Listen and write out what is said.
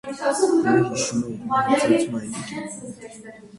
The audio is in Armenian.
Նա հիշում է իր մահացած մայրիկին։